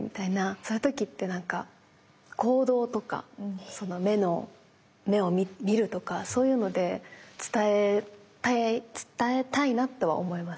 そういう時ってなんか行動とか目を見るとかそういうので伝えたいなとは思います。